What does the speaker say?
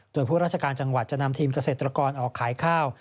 โดยผู้ราชการจังหวัดจะนำทีมเกษตรกรออกขายข้าว